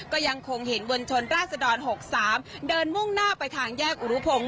ก็ยังคงเห็นมวลชนราศดร๖๓เดินมุ่งหน้าไปทางแยกอุรุพงศ์